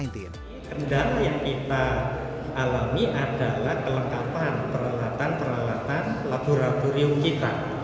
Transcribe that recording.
kendal yang kita alami adalah kelengkapan peralatan peralatan laboratorium kita